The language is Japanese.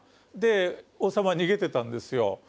で王様逃げてたんですよ。